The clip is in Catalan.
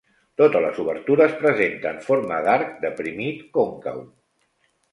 Totes les obertures presenten forma d'arc deprimit còncau.